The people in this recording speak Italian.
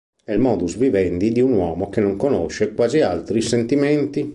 È il modus vivendi di un uomo che non conosce quasi altri sentimenti.